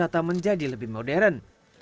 danau toba akan menjadi lebih modern